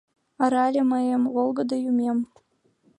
Арале мыйым, волгыдо Юмем!